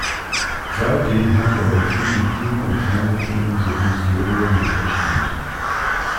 Seitdem hat er in vielen Kino- und Fernsehfilmen sowie Serien mitgespielt.